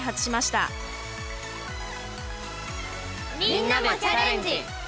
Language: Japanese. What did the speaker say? みんなも「チャレンジ！